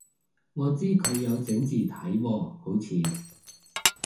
我知佢有整字體喎好似